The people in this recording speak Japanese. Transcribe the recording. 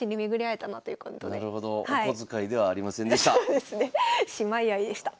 お小遣いではありませんでした。